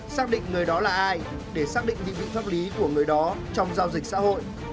xác định người đó là ai để xác định định vị pháp lý của người đó trong giao dịch xã hội